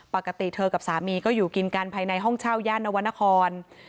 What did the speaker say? เป็นการภายในห้องเช่าย่านนวรรณคร